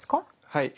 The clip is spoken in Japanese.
はい。